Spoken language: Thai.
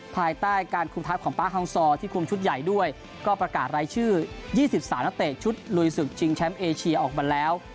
ภายใต้การคุมทัพของป๊าฮังซอร์ที่คุมชุดใหญ่ด้วยก็ประกาศรายชื่อ๒๓นักเตะชุดลุยศึกชิงแชมป์เอเชียออกมาแล้ว